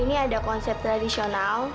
ini ada konsep tradisional